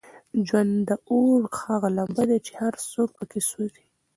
ژوند د اور هغه لمبه ده چې هر څوک پکې سوزي.